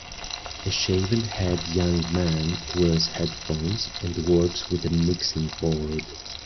A shaven head young man wears headphones and works with a mixing board.